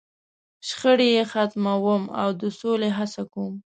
.شخړې یې ختموم، او د سولې هڅه کوم.